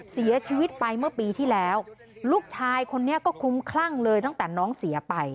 เสียชีวิตไปเมื่อปีที่แล้วลูกชายคนนี้ก็คลุ้มคลั่งเลยตั้งแต่น้องเสียไป